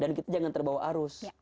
dan kita jangan terbawa arus